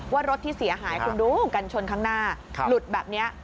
ว่ารถที่เสียหายคุณดูกันชนข้างหน้าหลุดแบบนี้